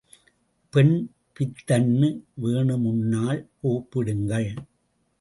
பெண் பித்தன்னு வேணுமுன்னால் கூப்பிடுங்கள்.